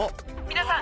皆さん！